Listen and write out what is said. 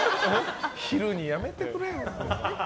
昼にやめてくれよ。